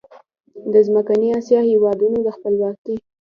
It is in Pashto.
د منځنۍ اسیا هېوادونو د خپلواکۍ